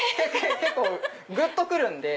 結構ぐっと来るんで。